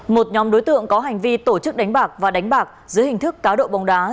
một nhóm đối tượng có hành vi tổ chức đánh bạc và đánh bạc dưới hình thức cá độ bóng đá